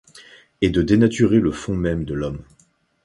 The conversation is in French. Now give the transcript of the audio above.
Et de dénaturer le fond même de l'homme